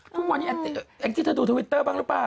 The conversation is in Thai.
ทุกวันนี้แองจี้เธอดูทวิตเตอร์บ้างหรือเปล่า